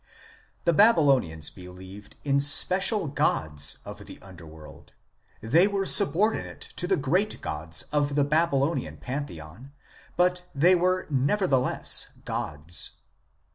1 The Babylonians believed in special gods of the under world ; they were subordinate to the great gods of the Babylonian Pantheon, but they were nevertheless gods.